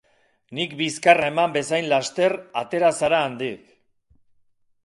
Nik bizkarra eman bezain laster atera zara handik.